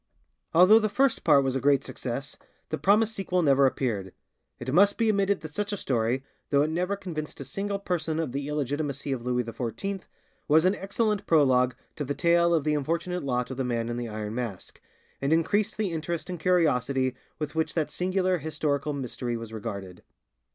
Although the first part was a great success, the promised sequel never appeared. It must be admitted that such a story, though it never convinced a single person of the illegitimacy of Louis XIV, was an excellent prologue to the tale of the unfortunate lot of the Man in the Iron Mask, and increased the interest and curiosity with which that singular historical mystery was regarded.